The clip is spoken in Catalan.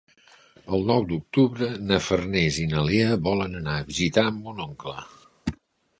El nou d'octubre na Farners i na Lea volen anar a visitar mon oncle.